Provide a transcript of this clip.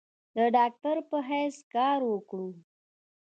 د ډاکټر پۀ حېث کار اوکړو ۔